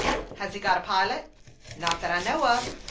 " Has he got a pilot ?"" Not that I know of."